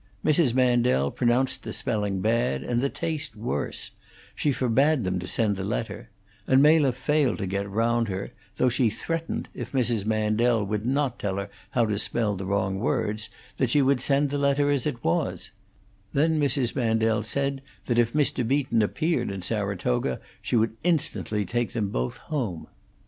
Mrs. Mandel pronounced the spelling bad, and the taste worse; she forbade them to send the letter; and Mela failed to get round her, though she threatened, if Mrs. Mandel would not tell her how to spell the wrong words, that she would send the letter as it was; then Mrs. Mandel said that if Mr. Beaton appeared in Saratoga she would instantly take them both home.